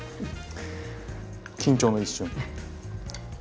緊張の一瞬。